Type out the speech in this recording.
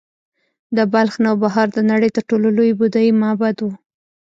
د بلخ نوبهار د نړۍ تر ټولو لوی بودايي معبد و